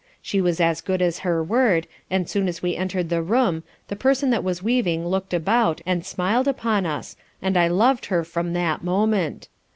She was as good as her word, and as soon as we enter'd the room, the person that was weaving look'd about, and smiled upon us, and I loved her from that moment.